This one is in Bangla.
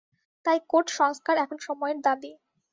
তাই কোট সংস্কার এখন সময়ের দাবি।